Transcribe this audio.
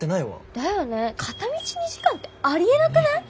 だよね片道２時間ってありえなくない？